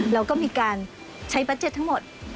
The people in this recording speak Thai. แล้วก็มีการใช้บัสเจ็ตทั้งหมด